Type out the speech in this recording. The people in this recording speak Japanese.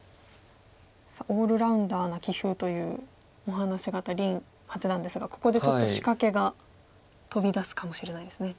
さあオールラウンダーな棋風というお話があった林八段ですがここでちょっと仕掛けが飛び出すかもしれないですね。